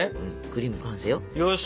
クリーム完成よ。